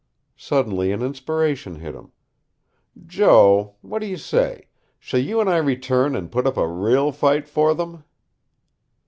Suddenly an inspiration hit him. "Joe, what do you say shall you and I return and put up a REAL fight for them?"